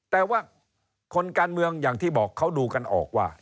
แต่ว่าคนการเมืองอย่างที่บอกเขาดูกันออกว่า